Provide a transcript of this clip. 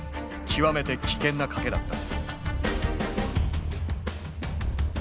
極めて危険な賭けだった。